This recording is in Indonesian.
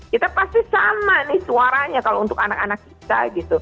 kita pasti sama nih suaranya kalau untuk anak anak kita gitu